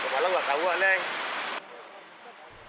kalau kemarin malam tidak tahu